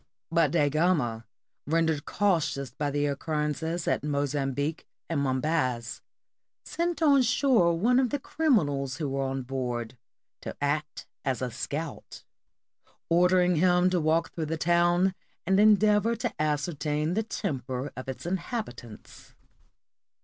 But Da Gama, rendered cautious by the occur rences at Mozambique and Mombaz, sent on shore one of the criminals who were on board, to act as a scout; ordering him to walk through the town and endeavor to ascertain the temper of its inhabitants.